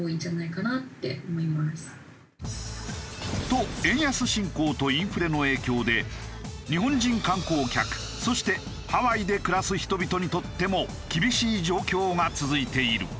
と円安進行とインフレの影響で日本人観光客そしてハワイで暮らす人々にとっても厳しい状況が続いている。